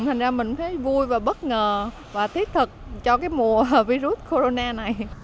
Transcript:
thành ra mình thấy vui và bất ngờ và thiết thật cho cái mùa virus corona này